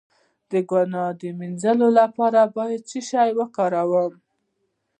د ګناه د مینځلو لپاره باید څه شی وکاروم؟